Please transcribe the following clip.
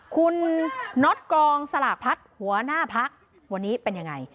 คุณน็อตกองสลากพัฒน์หัวหน้าพักวันนี้เป็นยังไง